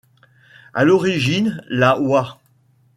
À l'origine, la oi!